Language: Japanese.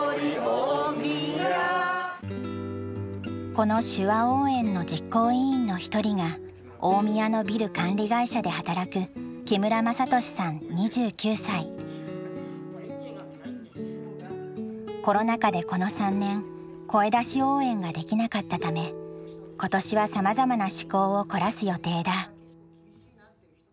この手話応援の実行委員の一人が大宮のビル管理会社で働くコロナ禍でこの３年声出し応援ができなかったため今年はさまざまな趣向を凝らす予定だ。